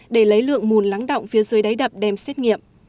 để lấy lượng mùn lắng động phía dưới đáy đập đem xét nghiệm